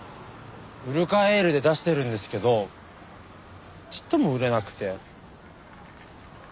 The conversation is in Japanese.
ウルカエールで出してるんですけどちっとも売れなくて。